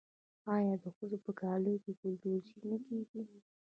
آیا د ښځو په کالیو کې ګلدوزي نه کیږي؟